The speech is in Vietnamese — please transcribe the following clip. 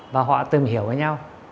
và họ tìm hiểu với nhau